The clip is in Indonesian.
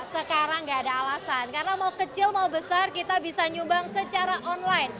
sekarang gak ada alasan karena mau kecil mau besar kita bisa nyumbang secara online